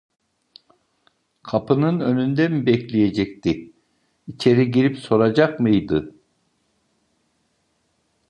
Kapının önünde mi bekleyecekti, içeri girip soracak mıydı?